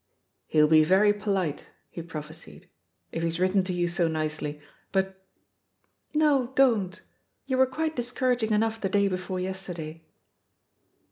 "He'U be very polite,*' he prophesied, "if he's written to you so nicely. But " "No, don't I You were quite discouraging enough the day before yesterday."